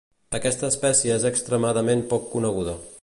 Aquesta espècie és extremadament poc coneguda.